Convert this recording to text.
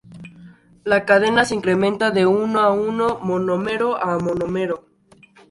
La cadena se incrementa de uno en uno, monómero a monómero.